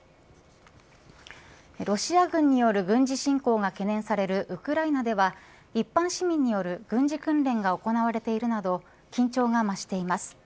ロシア軍による軍事侵攻が懸念されるウクライナでは一般市民による軍事訓練が行われているなど緊張が増しています。